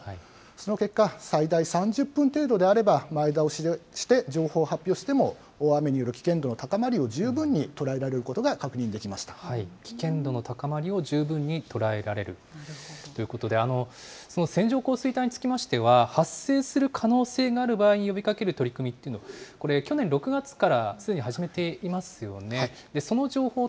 その結果、最大３０分程度であれば、前倒しで情報を発表しても大雨による危険度の高まりを十分にとら危険度の高まりを十分に捉えられるということで、その線状降水帯につきましては、発生する可能性がある場合に呼びかける取り組みっていうの、これ、去年６月からすでに始めていますよね。